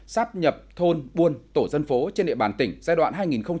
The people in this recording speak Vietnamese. sắp nhập thôn buôn tổ dân phố trên địa bàn tỉnh giai đoạn hai nghìn một mươi chín hai nghìn hai mươi một